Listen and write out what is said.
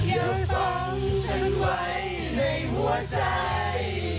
อย่าฟังฉันไว้ในหัวใจ